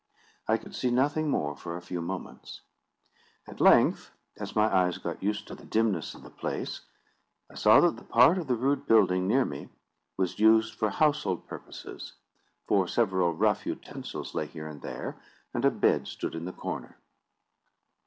I could see nothing more for a few moments. At length, as my eyes got used to the dimness of the place, I saw that the part of the rude building near me was used for household purposes; for several rough utensils lay here and there, and a bed stood in the corner.